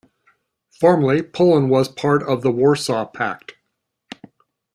Formerly, Poland was part of the Warsaw Pact.